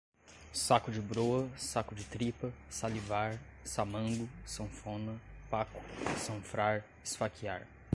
saco de broa, saco de tripa, salivar, samango, sanfona, paco, sanfrar, esfaquear